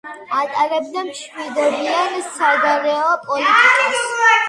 ატარებდა მშვიდობიან საგარეო პოლიტიკას.